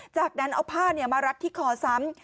จากนั้นเอาผ้ามารัดที่คอซ้ำ